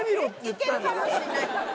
いけるかもしんないから。